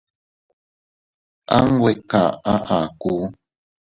Anwe kaʼa akuu.